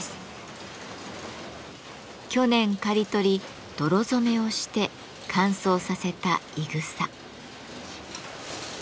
去年刈り取り泥染めをして乾燥させたいぐさ。